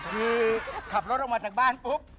คือขับรถออกมาจากบ้านปุ๊บ